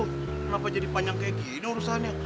kenapa jadi panjang kayak gini urusannya